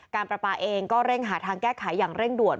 ประปาเองก็เร่งหาทางแก้ไขอย่างเร่งด่วน